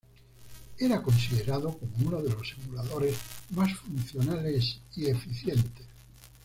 Era considerado como unos de los emuladores más funcionales y eficientes.